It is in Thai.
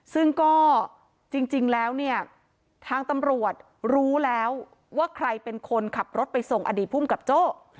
ซึ่งก็จริงแล้วเนี่ยทางตำรวจรู้แล้วว่าใครเป็นคนขับรถไปส่งอดีตภูมิกับโจ้